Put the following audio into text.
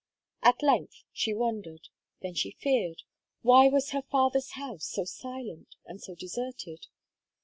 At length, she wondered; then she feared why was her father's house so silent and so deserted?